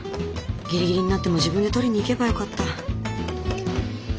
ギリギリになっても自分で取りに行けばよかった。